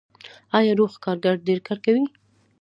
آیا روغ کارګر ډیر کار کوي؟